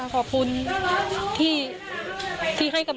หลังจากผู้ชมไปฟังเสียงแม่น้องชมไป